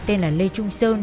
tên là lê trung sơn